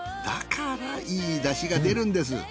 だからいいだしが出るんです。